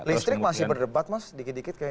listrik masih berdebat mas dikit dikit kayak